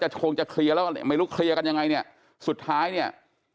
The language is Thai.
ชงจะเคลียร์แล้วไม่รู้เคลียร์กันยังไงเนี่ยสุดท้ายเนี่ย